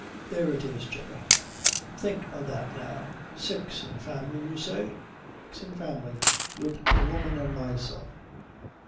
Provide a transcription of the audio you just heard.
There it is, Jemmy think o' that now. Six in family, you say?" "Six in family, wid the woman an' myself."